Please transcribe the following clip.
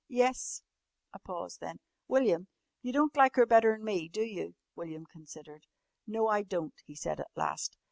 "Yes," a pause then, "William, you don't like her better'n me, do you?" William considered. "No, I don't," he said at last.